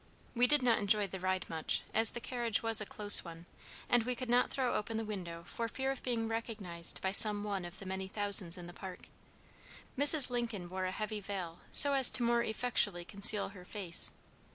We did not enjoy the ride much, as the carriage was a close one, and we could not throw open the window for fear of being recognized by some one of the many thousands in the Park. Mrs. Lincoln wore a heavy veil so as to more effectually conceal her face.